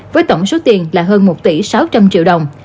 với tổng số tiền là hơn một tỷ sáu trăm linh triệu đồng